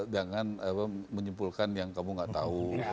jangan menyimpulkan yang kamu gak tahu